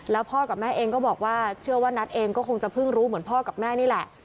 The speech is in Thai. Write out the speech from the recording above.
แล้วพ่อกับแม่เองก็บอกว่าเชื่อว่านัทเองก็คงจะเพิ่งรู้เหมือนพ่อกับแม่นี่แหละ